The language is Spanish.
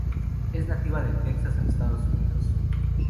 Es nativa de Texas en Estados Unidos.